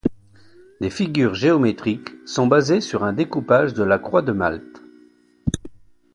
Les figures géométriques sont basées sur un découpage de la Croix de Malte.